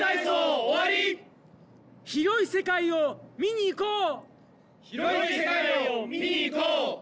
広い世界を見にいこう！